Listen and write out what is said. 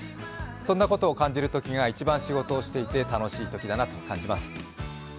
そんなことを感じるときが一番仕事をしていて楽しいときだなと感じます。